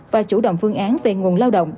và chủ động phương án về nguồn lao động